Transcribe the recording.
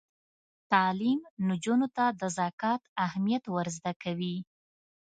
تعلیم نجونو ته د زکات اهمیت ور زده کوي.